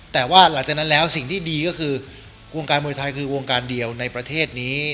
แต่ว่าหลังจากนั้นแล้วก็วงการมวยส์ไทยคือกวงการเดียวในประเทศนี้